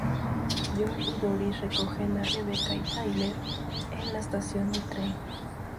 John y Doris recogen a Rebecca y Tyler en la estación de tren.